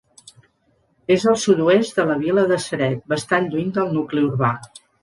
És al sud-oest de la vila de Ceret, bastant lluny del nucli urbà.